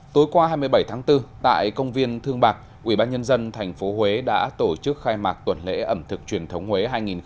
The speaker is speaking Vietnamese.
tối qua hai mươi bảy tháng bốn tại công viên thương bạc ubnd tp huế đã tổ chức khai mạc tuần lễ ẩm thực truyền thống huế hai nghìn hai mươi bốn